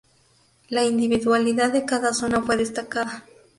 La individualidad de cada zona fue destacada.